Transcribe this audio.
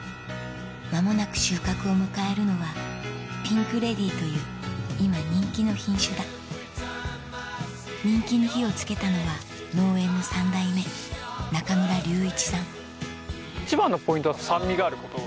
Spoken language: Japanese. まもなく収穫を迎えるのはピンクレディという今人気の品種だ人気に火を付けたのは農園の３代目一番のポイントは酸味があること。